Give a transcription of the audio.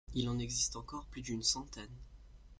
Il en existe encore plus d'une centaine.